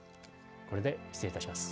これで失礼いたします。